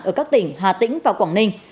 ở các tỉnh hà tĩnh và quảng ninh